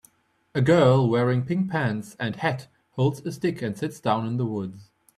A girl wearing pink pants and hat holds a stick and sits down in the woods.